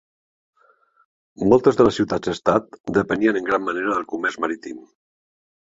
Moltes de les ciutats-estat depenien en gran manera del comerç marítim.